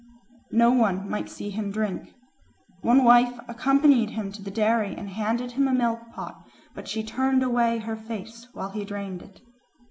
No one might see him drink. One wife accompanied him to the dairy and handed him the milk pot, but she turned away her face while he drained it.